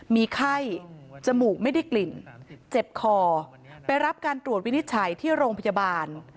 มีไข้จมูกไม่ได้กลิ่นเจ็บคอไปรับการตรวจวินิจฉัยที่โรงพยาบาล